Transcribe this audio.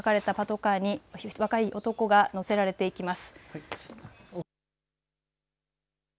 和歌山県警察と書かれたパトカーに若い男が乗せられていきます。